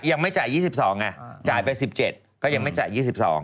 ยังไม่จ่าย๒๒ไงจ่ายไป๑๗ก็ยังไม่จ่าย๒๒